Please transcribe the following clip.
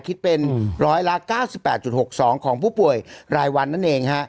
คิดเป็นร้อยละ๙๘๖๒ของผู้ป่วยรายวันนั่นเองฮะ